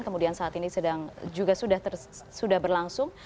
kemudian saat ini juga sudah berlangsung